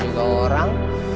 iya namanya juga orang